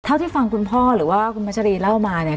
เท่าที่ฟังคุณพ่อหรือว่าคุณพัชรีเล่ามาเนี่ย